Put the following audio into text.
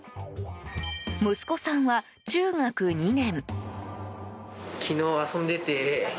息子さんは中学２年。